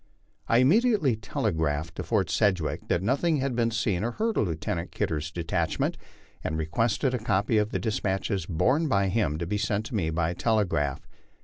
I immediately telegraphed to Fort Sedgwick that nothing had been seen or heard of Lieutenant Kidder's detach ment, and requested a copy of the despatches borne by him to be sent me by telegraph.